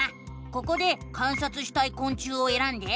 ここで観察したいこん虫をえらんで。